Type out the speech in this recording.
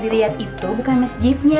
jalan tumaritis katanya